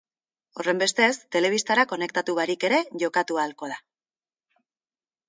Horrenbestez, telebistara konektatu barik ere jokatu ahalko da.